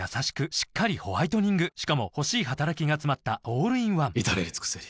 しっかりホワイトニングしかも欲しい働きがつまったオールインワン至れり尽せり